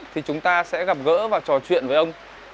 thì chúng ta sẽ gặp gỡ và trò chuyện với ông